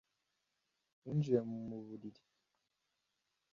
Yinjiye mu buriri